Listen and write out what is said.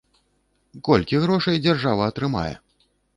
Колькі грошай дзяржава атрымае?